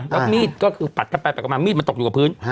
แล้วมีดก็คือปัดไปมีดมันตกอยู่กับพื้น